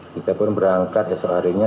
kita pun berangkat esok harinya